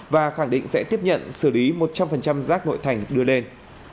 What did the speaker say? và khẳng định sẽ tiếp nhận xử lý một trăm linh rác nội thành đưa lên